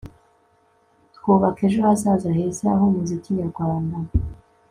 twubaka ejo hazaza heza h'umuziki nyarwanda